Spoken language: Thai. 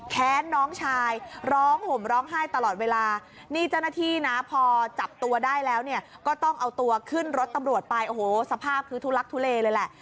แค้นน้องชายร้องห่มร้องไห้ตลอดเวลานี่เจ้าหน้าที่นะพอจับตัวได้แล้วเนี่ยก็ต้องเอาตัวขึ้นรถตำรวจไปโอ้โหสภาพคือทุลักทุเลเลยแหละ